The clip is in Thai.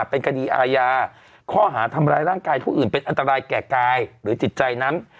เป็นคดีอาญาข้อหาทำร้ายร่างกายผู้อื่นเป็นอันตรายแก่กายหรือจิตใจนั้น